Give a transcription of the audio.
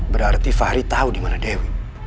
berarti fahri tau dimana dewi